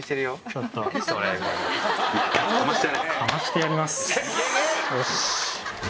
よし！